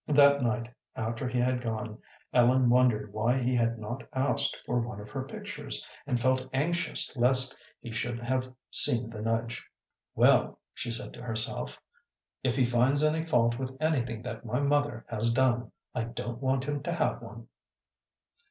That night, after he had gone, Ellen wondered why he had not asked for one of her pictures, and felt anxious lest he should have seen the nudge. "Well," she said to herself, "if he finds any fault with anything that my mother has done, I don't want him to have one."